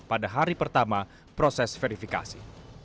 pada hari pertama proses verifikasi